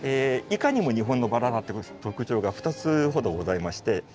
いかにも日本のバラだって特徴が２つほどございまして。